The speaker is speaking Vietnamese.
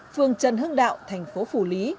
phương trần hưng đạo thành phố phủ lý